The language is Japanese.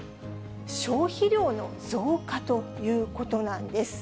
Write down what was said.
消費量の増加ということなんです。